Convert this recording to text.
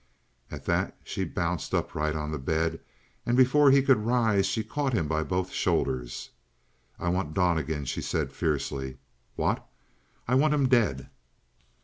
At that she bounced upright on the bed, and before he could rise she caught him by both shoulders. "I want Donnegan," she said fiercely. "What?" "I want him dead!"